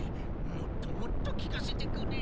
もっともっと聞かせてくれ。